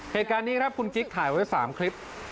เหตุการณ์นี้ครับคุณกิ๊กถ่ายไว้๓คลิป